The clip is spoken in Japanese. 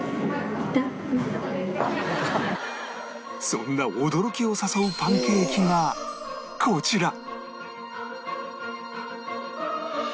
そんな驚きを誘うパンケーキがこちら